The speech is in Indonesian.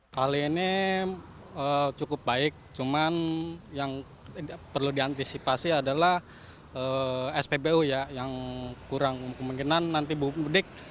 kali ini cukup baik cuman yang perlu diantisipasi adalah spbu ya yang kurang kemungkinan nanti mudik